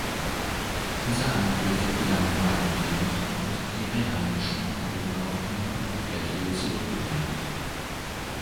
Dieser Angriff gelang weitgehend, und die Einheimischen wurden auf eine Hochfläche zurückgedrängt.